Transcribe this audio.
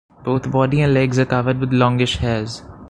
Both body and legs are covered with longish hairs.